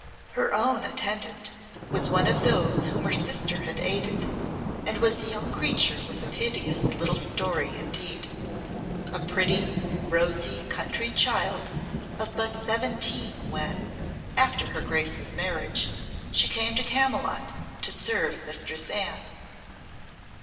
Her own attendant was one of those whom her sister had aided, and was a young creature with a piteous little story indeed a pretty, rosy, country child of but seventeen when, after her Grace's marriage, she came to Camylott to serve Mistress Anne.